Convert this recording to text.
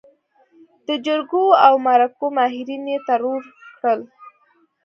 د جرګو او مرکو ماهرين يې ترور کړل.